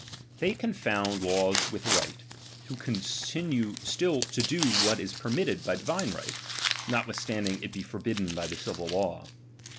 They confound laws with right, who con H * i *iue still to do what is permitted by divine right, r^ «3twithstanding it be forbidden by the civil law.